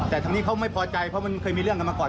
แต่ทางนี้เขาไม่พอใจเพราะมันเคยมีเรื่องกันมาก่อน